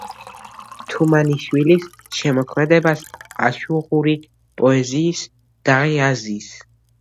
თუმანიშვილის შემოქმედებას აშუღური პოეზიის დაღი აზის.